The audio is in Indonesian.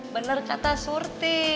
bener kata surti